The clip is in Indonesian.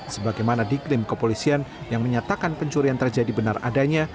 sebagaimana diklaim kepolisian yang menyatakan pencurian terjadi benar adanya